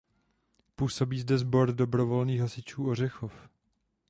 Působí zde Sbor dobrovolných hasičů Ořechov.